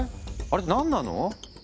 あれって何なの？